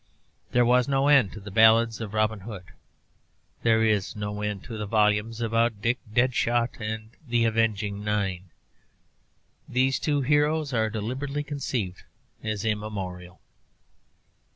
There was no end to the ballads of Robin Hood; there is no end to the volumes about Dick Deadshot and the Avenging Nine. These two heroes are deliberately conceived as immortal.